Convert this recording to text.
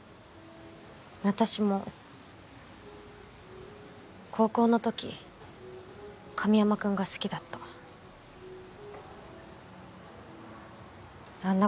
私も高校の時神山くんが好きだったあんな